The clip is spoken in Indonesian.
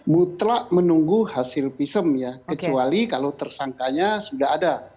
mutlak menunggu hasil visum ya kecuali kalau tersangkanya sudah ada